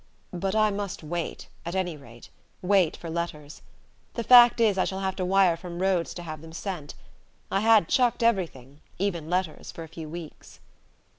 But I must wait, at any rate wait for letters. The fact is I shall have to wire from Rhodes to have them sent. I had chucked everything, even letters, for a few weeks."